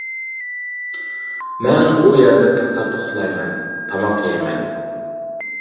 مەن ئۇ يەردە پەقەت ئۇخلايمەن، تاماق يەيمەن.